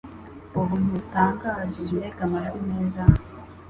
Ubuntu butangaje Mbega amajwi meza